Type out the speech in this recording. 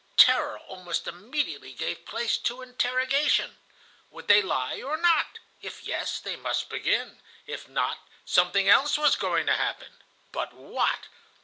Terror almost immediately gave place to interrogation. Would they lie or not? If yes, they must begin. If not, something else was going to happen. But what?